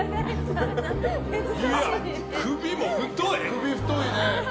首も太い！